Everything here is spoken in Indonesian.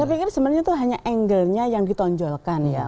saya pikir sebenarnya itu hanya angle nya yang ditonjolkan ya